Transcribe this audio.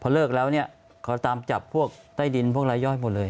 พอเลิกแล้วเขาตามจับพวกใต้ดินพวกไร้ย่อยหมดเลย